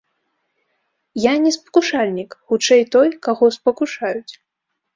Я не спакушальнік, хутчэй, той, каго спакушаюць.